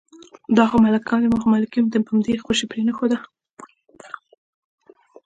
دا خو ملکان دي، ما خو ملکي په همدې خوشې پرېنښوده.